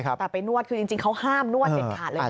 แต่ไปนวดคือจริงเขาห้ามนวดเด็ดขาดเลยนะ